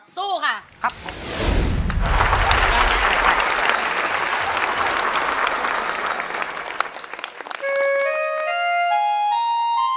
สู้ค่ะ